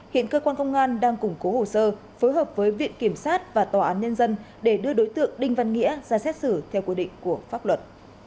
hiện cơ quan công an đang củng cố hồ sơ phối hợp với viện kiểm sát và tòa án nhân dân để đưa đối tượng đinh văn nghĩa ra xét xử theo quy định của pháp luật